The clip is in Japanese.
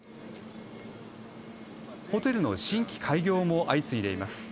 ホテルの新規開業も相次いでいます。